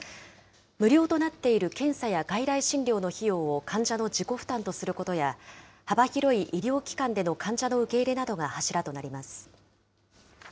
無料となっている検査や外来診療の費用を患者の自己負担とすることや、幅広い医療機関での患者の受け入れなどが柱となります。